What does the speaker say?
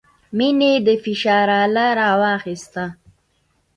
مينې د فشار اله راواخيسته.